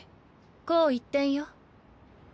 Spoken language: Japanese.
紅一点よ。